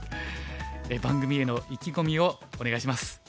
番組への意気込みをお願いします。